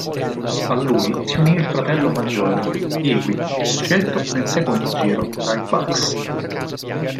A lui si unì il fratello maggiore, Dewey, scelto nel secondo giro dai Bucs.